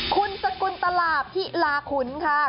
คุณสกุลตลาพิลาขุนค่ะ